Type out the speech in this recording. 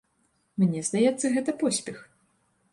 Мне здаецца, гэта поспех!